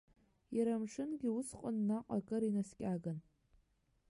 Иара амшынгьы усҟан наҟ акыр инаскьаган.